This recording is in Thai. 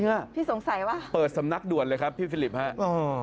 เห้ยหายจริงน่ะเปิดสำนักด่วนเลยครับฟิลิปนะครับฮ่า